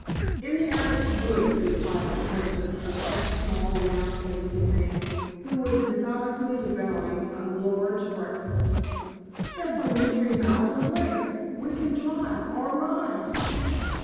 "In the Abbot's Wood," replied her husband, a fat, small round faced man, who was methodically devouring a large breakfast. "That's only three miles away. We can drive or ride."